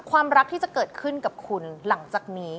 ความรักที่จะเกิดขึ้นกับคุณหลังจากนี้